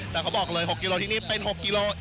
แต่เขาบอกเลย๖กิโลที่นี่เป็น๖กิโล